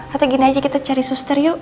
atau gini aja kita cari suster yuk